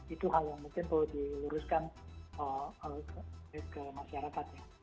itu hal yang mungkin perlu diluruskan ke masyarakat ya